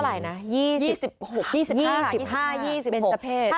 น้ำอุ่นอายุเท่าไหร่นะ